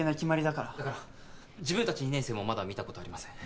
だから自分たち２年生もまだ見た事ありません。